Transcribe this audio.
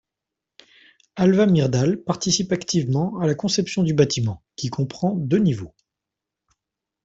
Alva Myrdal participe activement à la conception du bâtiment, qui comprend deux niveaux.